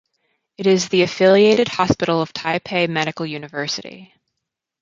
It is the affiliated hospital of Taipei Medical University.